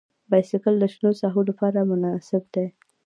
بایسکل د شنو ساحو لپاره مناسب دی.